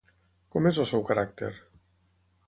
Com és el seu caràcter?